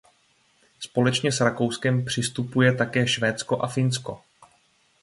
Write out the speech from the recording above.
Společně s Rakouskem přistupuje také Švédsko a Finsko.